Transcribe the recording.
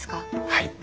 はい。